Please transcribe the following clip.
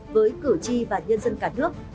với cử tri và nhân dân cả nước